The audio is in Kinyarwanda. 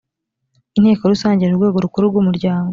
inteko rusange ni rwo rwego rukuru rw umuryango